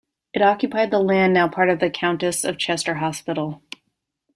It occupied the land now part of the Countess of Chester Hospital.